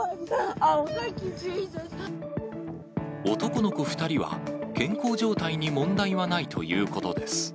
男の子２人は健康状態に問題はないということです。